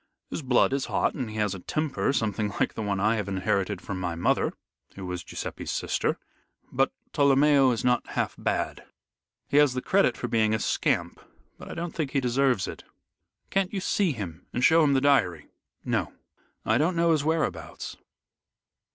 His blood is hot, and he has a temper something like the one I have inherited from my mother, who was Guiseppe's sister. But Tolomeo is not half bad. He has the credit for being a scamp, but I don't think he deserves it." "Can't you see him and show him the diary?" "No. I don't know his whereabouts.